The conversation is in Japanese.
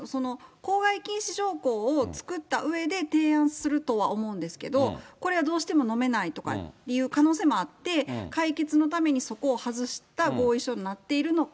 口外禁止条項を作ったうえで、提案するとは思うんですけれども、これはどうしてものめないとかという可能性もあって、解決のためにそこを外した合意書になっているのか。